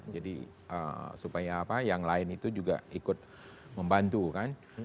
jadi supaya apa yang lain itu juga ikut membantu kan